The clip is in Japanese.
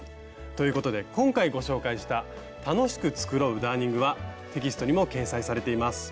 ということ今回ご紹介した「楽しく繕うダーニング」はテキストにも掲載されています。